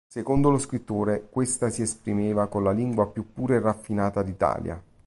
Secondo lo scrittore questa si esprimeva con la lingua più pura e raffinata d'Italia.